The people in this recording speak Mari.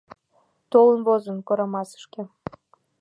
Толын возын Корамасышке